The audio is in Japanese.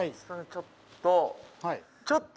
ちょっとはいちょ